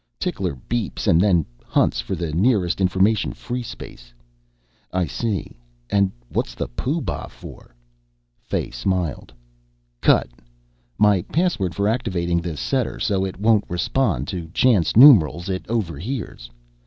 "Tickler beeps and then hunts for the nearest information free space." "I see. And what's the Pooh Bah for?" Fay smiled. "Cut. My password for activating the setter, so it won't respond to chance numerals it overhears."